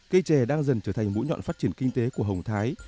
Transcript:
cây trè đang dần trở thành mũi nhọn phát triển kinh tế của hồng thái